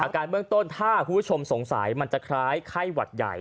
เบื้องต้นถ้าคุณผู้ชมสงสัยมันจะคล้ายไข้หวัดใหญ่